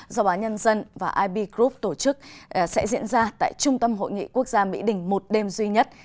do báo nhân dân và ib group tổ chức sẽ diễn ra tại trung tâm hội nghị quốc gia mỹ đình một đêm duy nhất